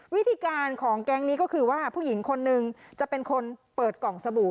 วิธีการของแก๊งนี้ก็คือว่าผู้หญิงคนนึงจะเป็นคนเปิดกล่องสบู่